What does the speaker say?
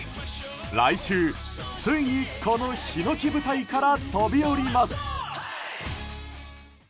来週、ついにこのひのき舞台から飛び降ります。